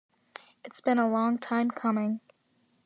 It's been a long time coming.